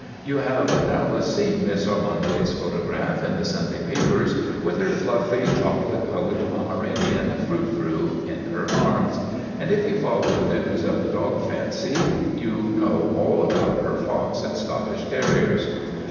You have doubtless seen Miss Ormonde's photo graph in the Sunday papers with her fluffy, choco late colored Pomeranian, Frou Frou, in her arms. And if you follow the news of the dog fancy you know all about her fox and Scottish terriers.